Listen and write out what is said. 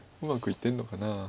うまくいってるのかな。